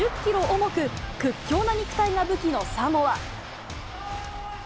重く、屈強な肉体が武器のサモア。